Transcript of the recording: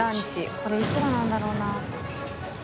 これいくらなんだろうな？